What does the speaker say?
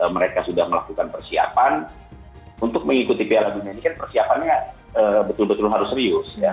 mereka sudah melakukan persiapan untuk mengikuti piala dunia ini kan persiapannya betul betul harus serius ya